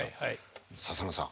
「笹野さん